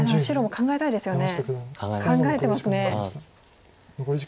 考えてますね。